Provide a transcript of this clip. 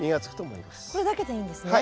これだけでいいんですね。